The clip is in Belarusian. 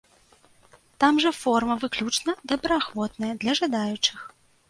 Там жа форма выключна добраахвотная, для жадаючых.